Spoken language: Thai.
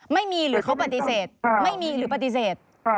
ไม่มีหรือเขาปฏิเสธไม่มีหรือปฏิเสธ